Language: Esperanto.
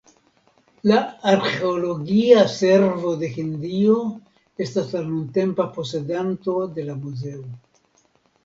La arĥeologia servo de Hindio estas la nuntempa posedanto de la muzeo.